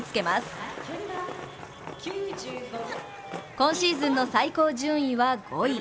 今シーズンの最高順位は５位。